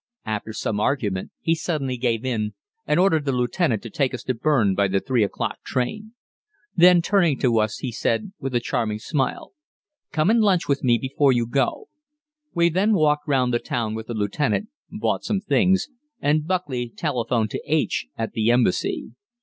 After some argument he suddenly gave in, and ordered the lieutenant to take us to Berne by the 3 o'clock train. Then turning to us he said, with a charming smile, "Come and lunch with me before you go." We then walked round the town with the lieutenant, bought some things, and Buckley telephoned to H. at the Embassy.